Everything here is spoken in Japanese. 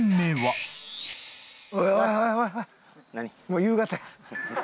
もう夕方や。